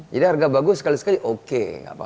jadi harga bagus sekali sekali oke